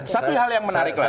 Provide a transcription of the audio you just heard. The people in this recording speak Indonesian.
satu hal yang menarik lagi